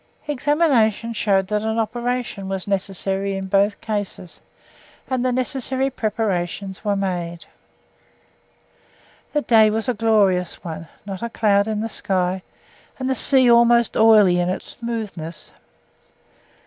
Examination showed that operation was necessary in both cases, and the necessary preparations were made. The day was a glorious one not a cloud in the sky, and the sea almost oily in its smoothness.